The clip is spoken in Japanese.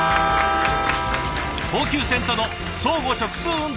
東急線との相互直通運転を開始。